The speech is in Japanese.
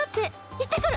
行ってくる！